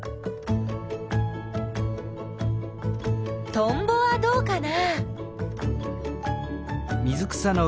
トンボはどうかな？